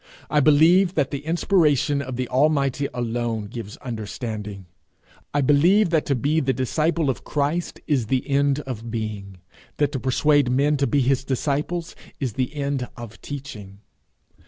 I believe that the inspiration of the Almighty alone gives understanding. I believe that to be the disciple of Christ is the end of being; that to persuade men to be his disciples is the end of teaching.